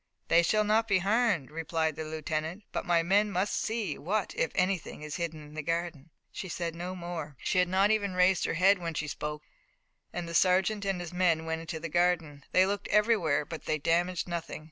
"They shall not be harmed," replied the lieutenant, "but my men must see what, if anything, is in the garden." She said no more. She had not even raised her head when she spoke, and the sergeant and his men went into the garden. They looked everywhere but they damaged nothing.